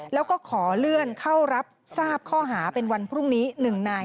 แล้วก็ขอเลื่อนเข้ารับทราบข้อหาเป็นวันพรุ่งนี้๑นาย